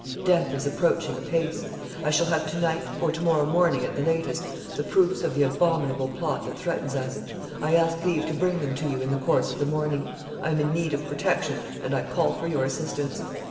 Death is approaching apace. I shall have to night, or to morrow morning at the latest, the proofs of the abominable plot that threatens us. I ask leave to bring them to you in the course of the morning. I am in need of protection and I call for your assistance.